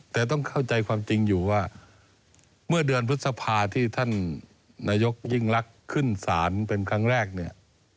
แต่ต้องเข้าใจความจริงอยู่ว่าเมื่อเดือนพฤษภาที่ท่านนายกยิ่งรักขึ้นศาลเป็นครั้งแรกเนี่ย